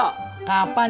kapan sampai di jakarta